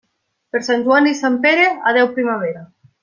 Per Sant Joan i Sant Pere, adéu primavera.